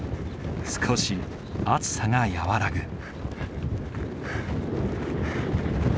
少し暑さが和らぐ。